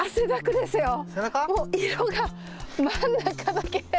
もう色が真ん中だけ。